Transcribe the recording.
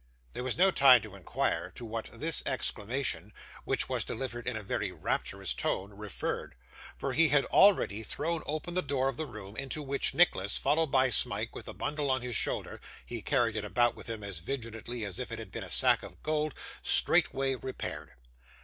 There was no time to inquire to what this exclamation, which was delivered in a very rapturous tone, referred; for he had already thrown open the door of the room; into which Nicholas, followed by Smike with the bundle on his shoulder (he carried it about with him as vigilantly as if it had been a sack of gold), straightway repaired.